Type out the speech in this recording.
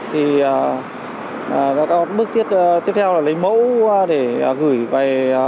thì bước tiếp theo là lấy mẫu để gửi về